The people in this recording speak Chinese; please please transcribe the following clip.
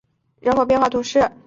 阿尔勒人口变化图示